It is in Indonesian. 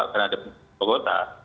karena ada pemotongan kuota